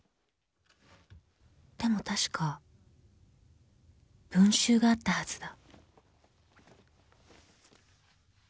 ［でも確か文集があったはずだ］